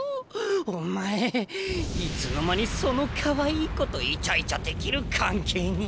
お前いつの間にそのかわいい子とイチャイチャできる関係に！？